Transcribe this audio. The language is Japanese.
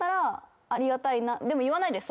でも言わないです